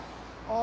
あ！